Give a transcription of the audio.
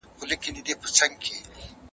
او دا بل جوال د رېګو چلومه